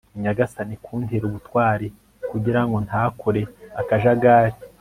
nyagasani kuntera ubutwari kugirango ntakore akajagari